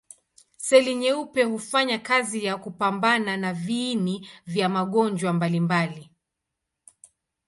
Seli nyeupe hufanya kazi ya kupambana na viini vya magonjwa mbalimbali.